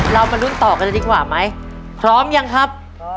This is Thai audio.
เรามาลุ้นต่อกันเลยดีกว่าไหมพร้อมยังครับ